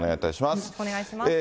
よろしくお願いします。